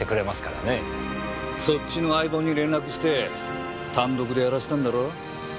そっちの相棒に連絡して単独でやらせたんだろう？